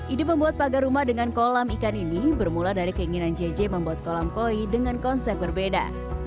ide membuat pagar rumah dengan kolam ikan ini bermula dari keinginan jj membuat kolam koi dengan konsep berbeda